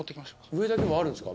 上だけもあるんですか？